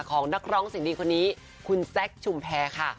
ของนักร้องเสียงดีคนนี้คุณแซคชุมแพรค่ะ